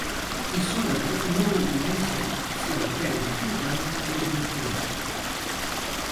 I, sobretot, no ho volem ser si el preu és equivocar-nos i desinformar.